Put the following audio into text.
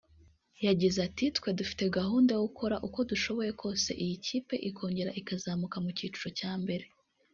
yagize ati “Twe dufite gahunda yo gukora uko dushoboye kose iyi kipe ikongera ikazamuka mu cyiciro cya mbere